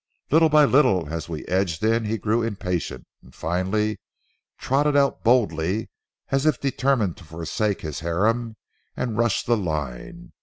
Little by little as we edged in he grew impatient, and finally trotted out boldly as if determined to forsake his harem and rush the line.